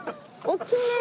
大きいね。